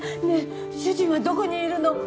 ねえ主人はどこにいるの！？